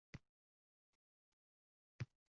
Keyin yig'ladim